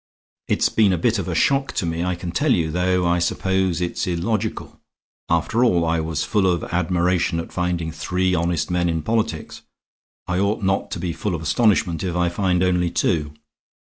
It's been a bit of a shock to me, I can tell you; though I suppose it's illogical. After all, I was full of admiration at finding three honest men in politics. I ought not to be full of astonishment if I find only two."